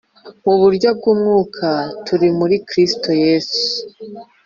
mu buryo bw umwuka turi muri Kristo Yesu